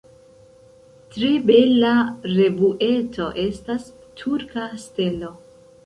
Tre bela revueto estas Turka Stelo.